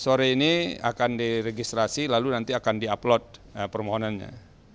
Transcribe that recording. sore ini akan diregistrasi lalu nanti akan di upload permohonannya